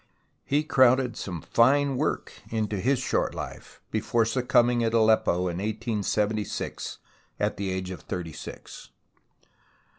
He crowded some fine work into his short life, before succumbing at Aleppo in 1876 at the age of thirty six.